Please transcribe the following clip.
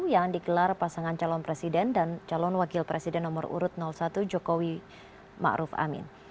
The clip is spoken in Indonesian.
yang digelar pasangan calon presiden dan calon wakil presiden nomor urut satu jokowi ⁇ maruf ⁇ amin